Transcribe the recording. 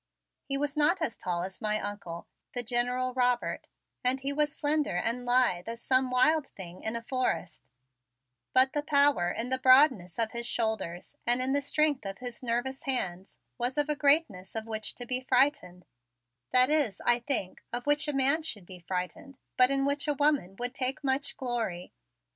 He was not as tall as my Uncle, the General Robert, and he was slender and lithe as some wild thing in a forest, but the power in the broadness of his shoulders and in the strength of his nervous hands was of a greatness of which to be frightened; that is, I think, of which a man should be frightened but in which a woman would take much glory.